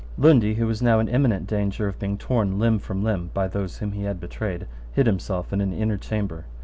Lundy, who was now in imminent danger of being torn limb from limb by those whom he had betrayed, hid himself in an inner chamber.